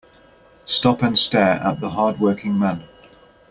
Stop and stare at the hard working man.